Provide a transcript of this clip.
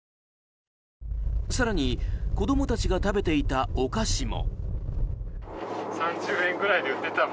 更に、子供たちが食べていたお菓子も。